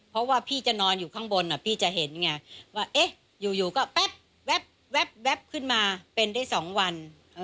เพราะว่าพี่จะนอนอยู่ข้างบนพี่จะเห็นไงว่าอยู่ก็แป๊บขึ้นมาเป็นได้๒วัน